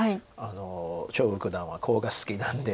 張栩九段はコウが好きなんで。